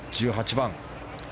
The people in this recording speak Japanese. １８番。